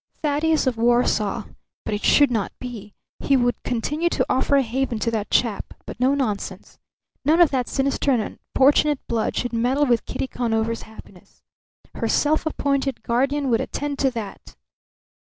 Thaddeus of Warsaw. But it should not be. He would continue to offer a haven to that chap; but no nonsense. None of that sinister and unfortunate blood should meddle with Kitty Conover's happiness. Her self appointed guardian would attend to that.